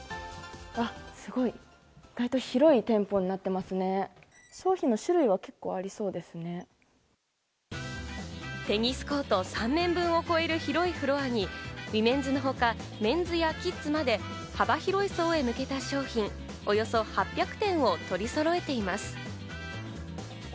あ、すごい！テニスコート３面分を超える広いフロアにウィメンズのほか、メンズやキッズまで幅広い層へ向けた商品、およそ８００点を取りそろえています。